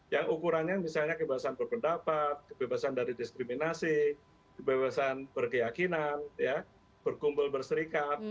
yang ukurannya misalnya kebebasan berpendapat kebebasan dari diskriminasi kebebasan berkeyakinan berkumpul berserikat